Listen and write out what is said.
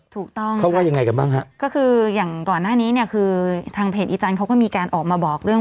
ถูกต้องครับคืออย่างก่อนหน้านี้คือทางเพจอีจารย์เขาก็มีการออกมาบอกเรื่อง